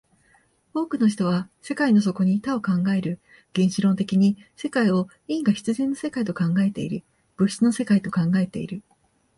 多くの人は世界の底に多を考える、原子論的に世界を因果必然の世界と考えている、物質の世界と考えている。